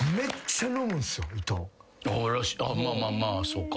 まあまあそうか。